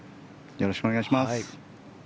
よろしくお願いします。